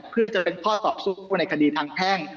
เพื่อจะเป็นข้อต่อสู้ในคดีทางแพ่ง